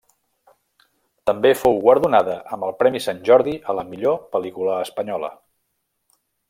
També fou guardonada amb el Premi Sant Jordi a la millor pel·lícula espanyola.